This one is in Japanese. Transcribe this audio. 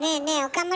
岡村。